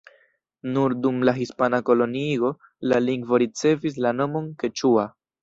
Nur dum la hispana koloniigo la lingvo ricevis la nomon keĉua.